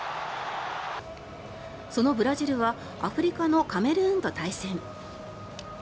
そのブラジルはアフリカのカメルーンと対戦。